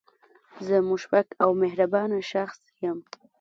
زه مشفق او مهربانه شخص یم